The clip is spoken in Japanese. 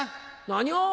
何を⁉